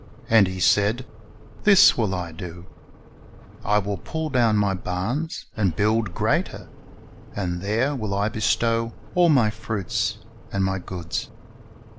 And he said, This will I do: I will pull down my barns, and build greater; and there will I bestow all my fruits and my goods.